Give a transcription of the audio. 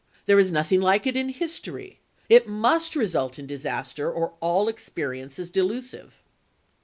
There is nothing like it in history. It must result in disaster, or all experi ence is delusive.